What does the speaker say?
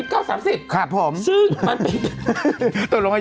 ครับผมตกลงอายุเมื่อไหร่วะ